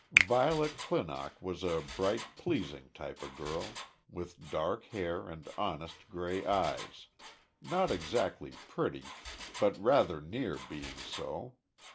Violet Clinock was a bright, pleasing type of girl, with dark hair, and honest grey eyes, not exactly pretty, but rather near being so.